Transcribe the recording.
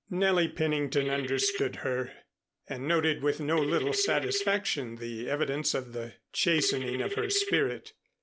Nellie Pennington understood her, and noted with no little satisfaction the evidence of the chastening of her spirit.